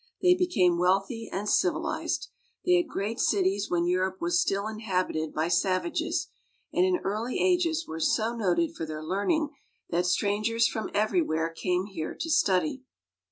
They became wealthy and civilized. They had great cities when Europe was still inhabited by savages, and in early ages were so noted for their learning that strangers from everywhere came here to study.